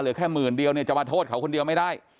เหลือแค่หมื่นเดียวจะมาโทษเขาคนเดียวไม่ได้